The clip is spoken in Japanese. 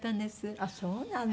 あっそうなの。